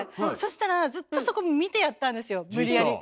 したらずっとそこ見てやったんですよ無理やり。